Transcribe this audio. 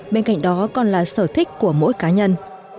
bên cạnh đó còn là sở thích của mỗi cá nhân